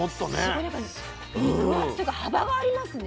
すごいなんか肉厚というか幅がありますね。